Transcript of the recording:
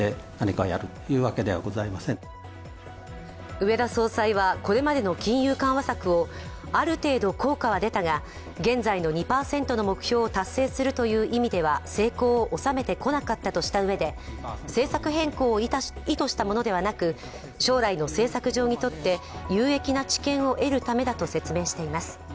植田総裁は、これまでの金融緩和策をある程度、効果は出たが現在の２％の目標を達成するという意味では成功を収めてこなかったとしたうえで政策変更を意図したものでなく将来の政策上にとって有益な知見を得るためだと説明しています。